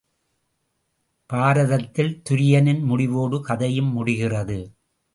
பாரதத்தில் துரியனின் முடிவோடு கதையும் முடிகிறது.